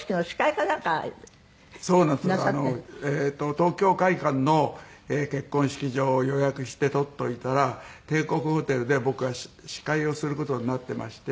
東京會舘の結婚式場を予約して取っといたら帝国ホテルで僕は司会をする事になってまして。